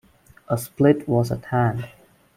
A split was at hand.